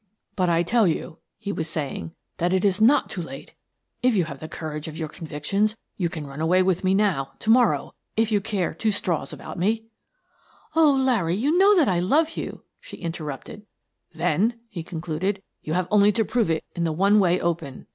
" But I tell you/' he was saying, " that it is not too late! If you have the courage of your convic tions, you can run away with me now — to morrow. If you care two straws about me —"" O Larry, you know that I love you !" she in terrupted. Exit the Jewels 33 " Then," he concluded, " you have only to prove it in the one way open."